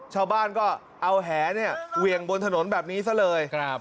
ชาวบ้านก็เอาแหเนี่ยเหวี่ยงบนถนนแบบนี้ซะเลย